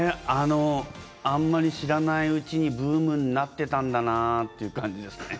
あんまり知らないうちにブームになっていたんだなっていう感じですかね。